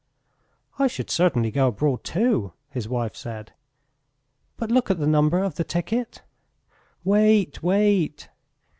"I should certainly go abroad too," his wife said. "But look at the number of the ticket!" "Wait, wait!..."